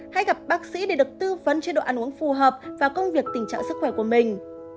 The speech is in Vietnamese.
hãy gặp bác sĩ để được tư vấn chế độ ăn uống phù hợp và công việc tình trạng sức khỏe của mình